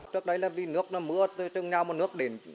trước đấy là vì nước nó mưa tương nhau một nước đền